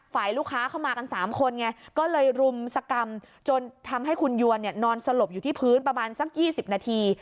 ลูกค้าเข้ามากัน๓คนไงก็เลยรุมสกรรมจนทำให้คุณยวนนอนสลบอยู่ที่พื้นประมาณสัก๒๐นาที